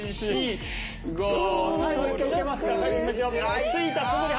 あっついたつもり。